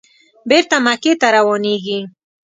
بېرته مکې ته روانېږي.